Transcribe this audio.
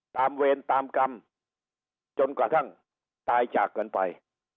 ตามเวรตามกรรมจนกว่าทั้งตายจากกันไป